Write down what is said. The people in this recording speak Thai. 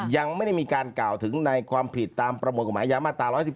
ยังไม่ได้มีการกล่าวถึงในความผิดตามประมวลกฎหมายยามาตรา๑๑๒